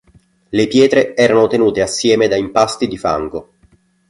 Le pietre erano tenute assieme da impasti di fango.